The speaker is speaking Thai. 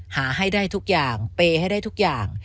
หาให้ได้ทุกอย่างเปย์ให้ได้ทุกอย่าง